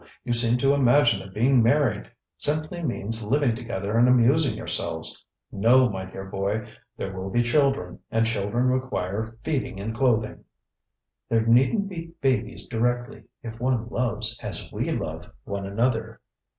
You seem to imagine that being married simply means living together and amusing yourselves! No, my dear boy, there will be children, and children require feeding and clothing. ŌĆØ ŌĆ£There neednŌĆÖt be babies directly, if one loves as we love one another.